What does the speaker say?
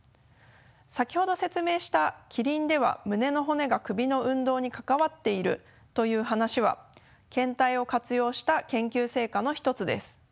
さきほど説明したキリンでは胸の骨が首の運動に関わっているという話は献体を活用した研究成果の一つです。